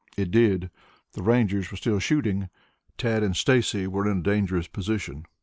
It did. The Rangers were still shooting. Tad and Stacy were in a dangerous position.